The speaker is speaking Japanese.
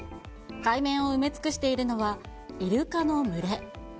海面を埋め尽くしているのは、イルカの群れ。